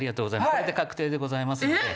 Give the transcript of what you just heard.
これで確定でございますので。